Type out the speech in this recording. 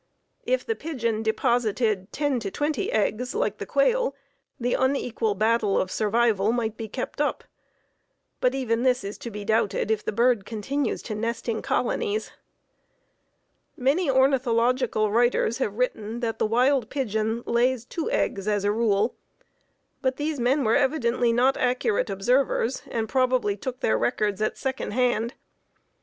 If the pigeon deposited ten to twenty eggs like the quail the unequal battle of equal survival might be kept up. But even this is to be doubted if the bird continues to nest in colonies. Many ornithological writers have written that the wild pigeon lays two eggs as a rule, but these men were evidently not accurate observers, and probably took their records at second hand.